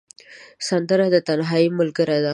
سندره د تنهايي ملګرې ده